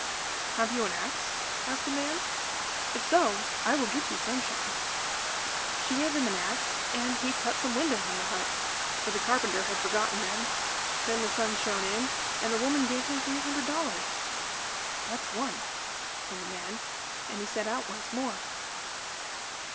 "Have you an axe?" asked the man. "If so I will get you sunshine." She gave him an axe and he cut some windows in the hut, for the carpenter had forgotten them. Then the sun shone in, and the woman gave him three hundred dollars. "That's one," said the man, and he set out once more.